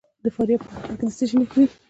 د فاریاب په المار کې د څه شي نښې دي؟